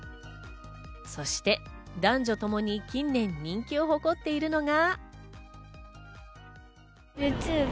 そして、男女ともに近年、人気を誇っているのが。